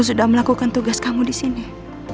semoga bapak cepat sembuh ya pak